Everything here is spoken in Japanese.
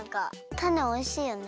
たねおいしいよね。